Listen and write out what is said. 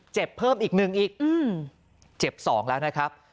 เจ็บเพิ่มอีก๑อีกเจ็บสองแล้วนะครับ